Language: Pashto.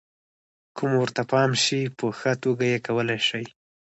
که مو ورته پام شي، په ښه توګه یې کولای شئ.